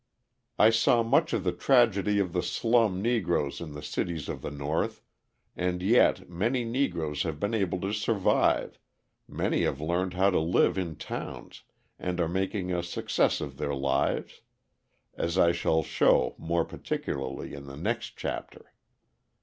I saw much of the tragedy of the slum Negroes in the cities of the North, and yet many Negroes have been able to survive, many have learned how to live in towns and are making a success of their lives as I shall show more particularly in the next chapter.